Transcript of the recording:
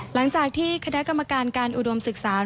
หลังจากที่คณะกรรมการการอุดมศึกษา